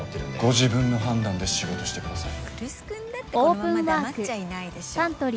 ご自分の判断で仕事してください。